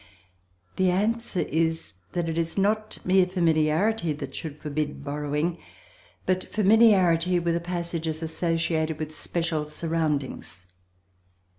The answer is that it is not mere familiarity that should forbid borrowing, but familiarity with a passage as associated with special surroundings.